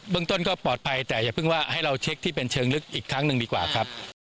เรื่องต้นก็ปลอดภัยแต่อย่าเพิ่งว่าให้เราเช็คที่เป็นเชิงลึกอีกครั้งหนึ่งดีกว่าครับ